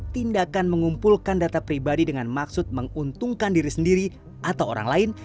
tindakan mengumpulkan data pribadi dengan maksud menguntungkan diri sendiri atau orang lain